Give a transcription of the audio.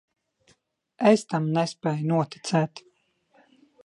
Es tam nespēju noticēt.